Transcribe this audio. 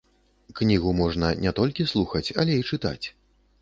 Кнігу можна не толькі слухаць, але і чытаць.